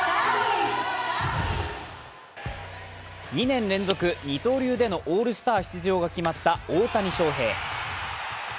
２年連続二刀流でのオールスター出場が決まった大谷翔平。